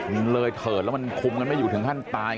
มันเลยเถิดแล้วมันคุมกันไม่อยู่ถึงขั้นตาย